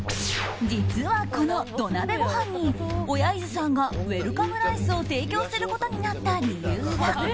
実はこの土鍋ご飯に小柳津さんがウェルカムライスを提供することになった理由が。